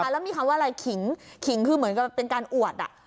แล้วมีคำว่าอะไรขิงคือเหมือนกับเป็นการอวด